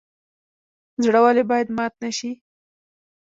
زړه ولې باید مات نشي؟